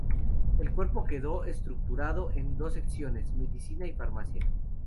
El cuerpo quedó estructurado en dos secciones: Medicina y Farmacia.